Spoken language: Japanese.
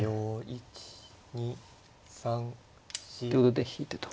１２３４。ということで引いてと。